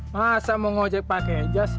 masa mau ngajak pake jas